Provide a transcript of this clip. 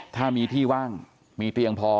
ถ้ามีที่ว่างมีเตียงพอ